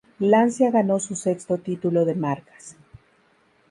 Lancia ganó su sexto título de marcas.